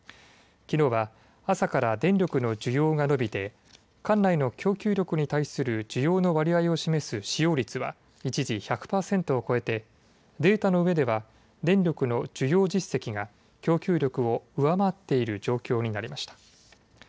きのうは朝から電力の需要が伸びて管内の供給力に対する需要の割合を示す使用率は一時、１００％を超えてデータの上では電力の需要実績が供給力を上回っている状況になりました。